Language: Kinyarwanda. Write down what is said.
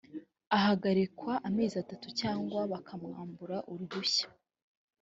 ahagarikwa amezi atatu cyangwa bakamwambura uruhushya